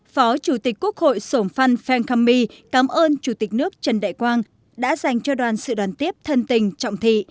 phó chủ tịch quốc hội sổng phan phan khang my cảm ơn chủ tịch nước trần đại quang đã dành cho đoàn sự đoàn tiếp thân tình trọng thị